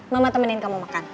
mama temenin kamu makan